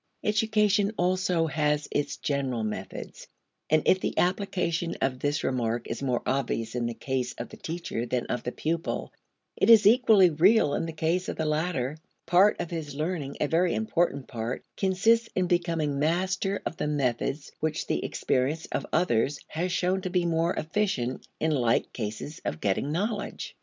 Education also has its general methods. And if the application of this remark is more obvious in the case of the teacher than of the pupil, it is equally real in the case of the latter. Part of his learning, a very important part, consists in becoming master of the methods which the experience of others has shown to be more efficient in like cases of getting knowledge.